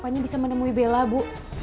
pokoknya bisa menemui bella bu